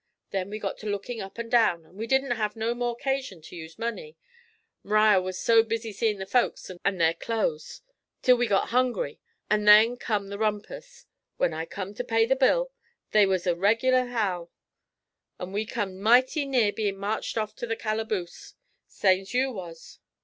Then we got to lookin' up and down, and we didn't have no more 'casion to use money M'riar was so busy seein' the folks and their clo's till we got hungry, and then come the rumpus. When I come to pay the bill, they was a reg'lar howl, an' we come mighty near bein' marched off to the calaboose, same's you was.